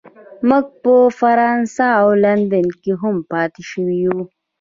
موږ په فرانسه او لندن کې هم پاتې شوي یو